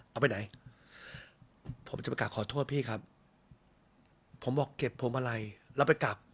เอาไปไหนผมจะไปกลับขอโทษพี่ครับผมบอกเก็บพวงมาลัยแล้วไปกลับ